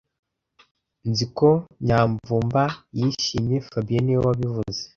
Nzi ko Nyamvumba yishimye fabien niwe wabivuze